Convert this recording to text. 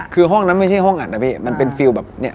คือห้องนั้นไม่ใช่ห้องอัดนะพี่มันเป็นฟิลแบบเนี่ย